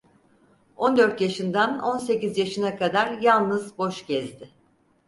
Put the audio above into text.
On dört yaşından on sekiz yaşına kadar yalnız boş gezdi.